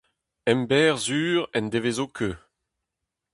Emberr sur en devezo keuz !